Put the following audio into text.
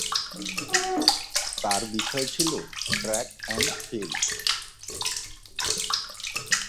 তার বিষয় ছিল ট্র্যাক অ্যান্ড ফিল্ড।